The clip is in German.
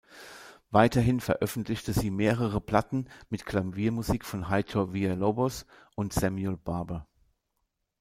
Weiterhin veröffentlichte sie mehrere Platten mit Klaviermusik von Heitor Villa-Lobos und Samuel Barber.